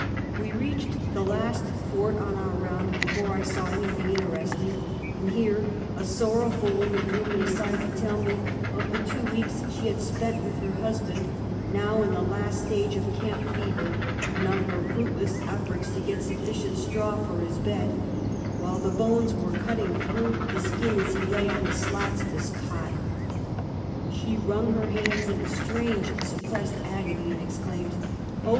We readied the last fort on our round before I saw anything interesting; and here a sorrowful woman drew me aside to tell rae of the two weeks she had spent with her husband, now in the last stage of camp fever, and of her fruitless efforts to get sufficient straw for his bed, while the bones we^'e cutting through the No Use for me Among the Wounded. 239 skin as lie la}^ on the slats of his cot. She wrung her hands in a strange, suppressed agony, and exclaimed " Oh!